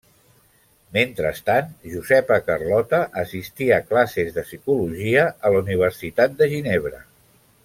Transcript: Mentrestant, Josepa Carlota assistí a classes de psicologia a la Universitat de Ginebra.